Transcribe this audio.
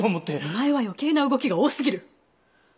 お前は余計な動きが多すぎる！